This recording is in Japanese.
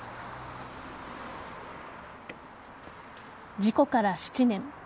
事故から７年。